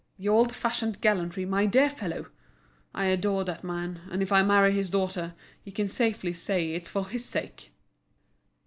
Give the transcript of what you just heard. The old fashioned gallantry, my dear fellow! I adore that man, and if I marry his daughter, he can safely say it's for his sake!"